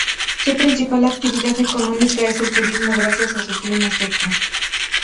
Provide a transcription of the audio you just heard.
Su principal actividad económica es el turismo gracias a su clima seco.